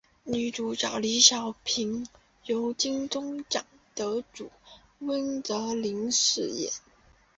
女主角李晓萍由金钟奖得主温贞菱饰演。